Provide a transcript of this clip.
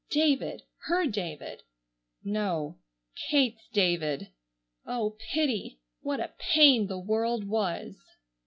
David, her David—no, Kate's David! Oh, pity! What a pain the world was!